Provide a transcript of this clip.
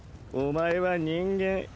お前は人間。